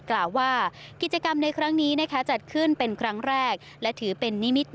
กล่าวว่ากิจกรรมในครั้งนี้จัดขึ้นเป็นครั้งแรกและถือเป็นนิมิต